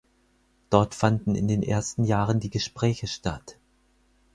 Dort fanden in den ersten Jahren die Gespräche statt.